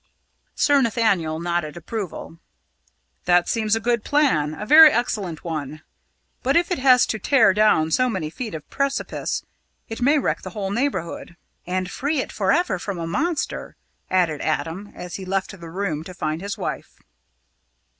Sir Nathaniel nodded approval. "That seems a good plan a very excellent one. But if it has to tear down so many feet of precipice, it may wreck the whole neighbourhood." "And free it for ever from a monster," added Adam, as he left the room to find his wife.